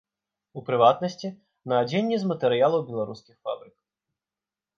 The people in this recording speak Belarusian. У прыватнасці, на адзенне з матэрыялаў беларускіх фабрык.